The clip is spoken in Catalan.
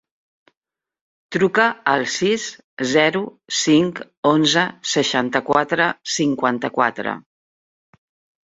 Truca al sis, zero, cinc, onze, seixanta-quatre, cinquanta-quatre.